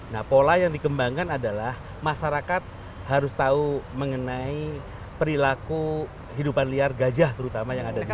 nah pola yang dikembangkan adalah masyarakat harus tahu mengenai perilaku hidupan liar gajah terutama yang ada di sana